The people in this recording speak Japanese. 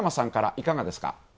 いかがですか？